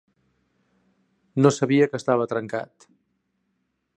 No sabia que estava trencat!